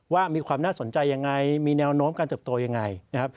ว่ามีความน่าสนใจยังไงมีแนวโน้มการเติบโตยังไงนะครับ